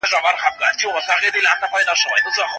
پوهان د خطر ارزونه کوي.